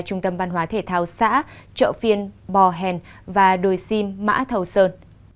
trung tâm văn hóa thể thao xã chợ phiên bò hèn và đồi sim mã thầu sơn